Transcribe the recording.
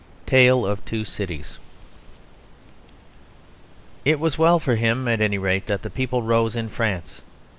TALE OF TWO CITIES It was well for him, at any rate, that the people rose in France.